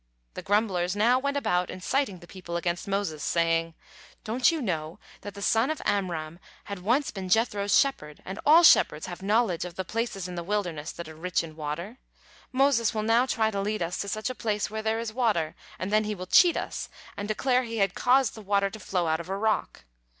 The grumblers now went about inciting the people against Moses, saying: "Don't you know that the son of Amram had once been Jethro's shepherd, and all shepherds have knowledge of the places in the wilderness that are rich in water? Moses will now try to lead us to such a place where there is water, and then he will cheat us and declare he had causes the water to flow out of a rock.